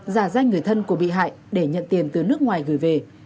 giả danh người thân của bị hại để nhận tiền từ nước ngoài gửi về